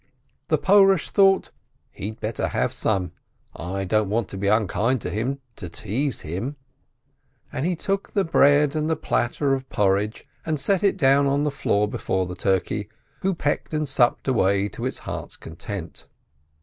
The Porush thought, "He'd better have some, I don't want to be unkind to him, to tease him," and he took the bread and the platter of porridge, and set it down on the floor before the turkey, who pecked and supped away to its heart's content.